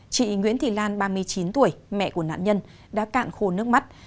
chị nguyễn thị lan ba mươi chín tuổi mẹ của nạn nhân đã cạn khô nước mắt